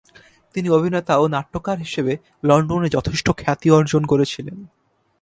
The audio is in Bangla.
তিনি অভিনেতা ও নাট্যকার হিসেবে লন্ডনে যথেষ্ট খ্যাতি অর্জন করেছিলেন।